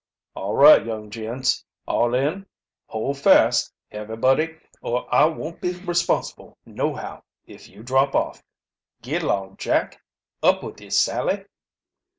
"All right, young gents. All in? Hold fast, everybody, or I won't be responsible, nohow, if you drop off. Git along, Jack; up with ye, Sally!"